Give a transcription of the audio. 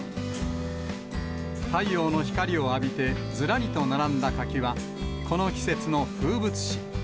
太陽の光を浴びてずらりと並んだ柿は、この季節の風物詩。